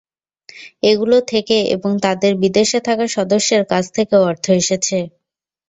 এগুলো থেকে এবং তাদের বিদেশে থাকা সদস্যের কাছ থেকেও অর্থ এসেছে।